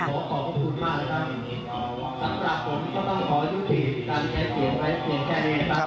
การแข่งเปลี่ยนแข่งเปลี่ยนแค่นี้นะครับ